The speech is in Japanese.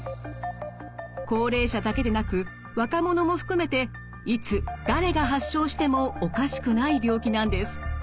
高齢者だけでなく若者も含めていつ誰が発症してもおかしくない病気なんです。